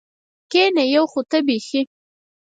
کېنه یو خو ته بېخي.